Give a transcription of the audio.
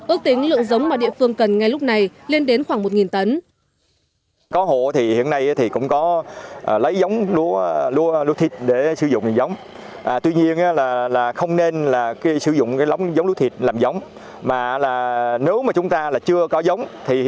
ước tính lượng giống mà địa phương cần ngay lúc này lên đến khoảng một tấn